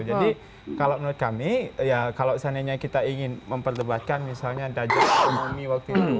jadi kalau menurut kami ya kalau seandainya kita ingin memperdebatkan misalnya dajal ekonomi waktu dulu